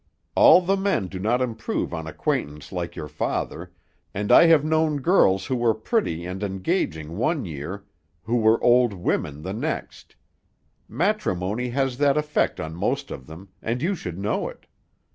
All the men do not improve on acquaintance like your father, and I have known girls who were pretty and engaging one year who were old women the next; matrimony has that effect on most of them, and you should know it.